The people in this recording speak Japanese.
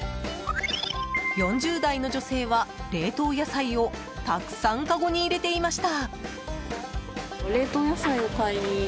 ４０代の女性は、冷凍野菜をたくさんかごに入れていました。